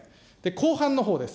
後半のほうです。